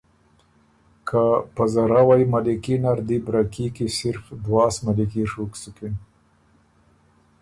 که په زراوئ ملیکي نر دی برکي کی صرف دواس ملیکي ڒُوک سُکِن۔